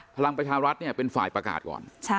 พลังประชารัฐเนี่ยเป็นฝ่ายประกาศก่อน